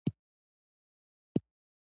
له تودې معرکې وروسته سوله نصیب شوې وي.